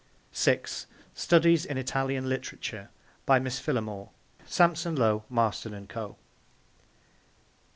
(6) Studies in Italian Literature. By Miss Phillimore. (Sampson Low, Marston and Co.)